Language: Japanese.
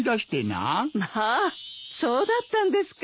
まあそうだったんですか。